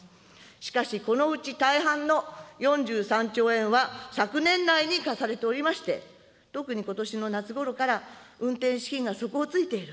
しかしこのうち大半の４３兆円は、昨年内に貸されておりまして、特にことしの夏ごろから、運転資金が底をついている。